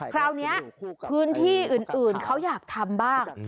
คราวนี้พื้นที่อื่นเขาอยากทำบ้าง